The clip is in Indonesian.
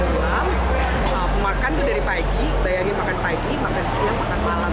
bahwa pemakan itu dari pagi bayangin makan pagi makan siang makan malam